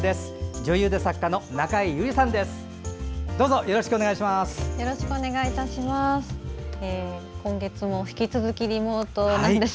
女優で作家の中江有里さんです。